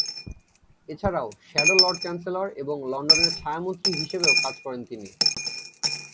এছাড়াও shadow Lord Chancellor এবং লন্ডনের ছায়া-মন্ত্রী হিসেবেও কাজ করেন তিনি।